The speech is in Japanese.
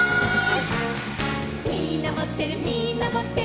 「みんなもってるみんなもってる」